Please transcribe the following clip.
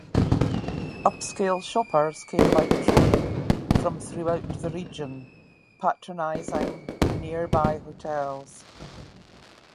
Upscale shoppers came by train from throughout the region, patronizing nearby hotels.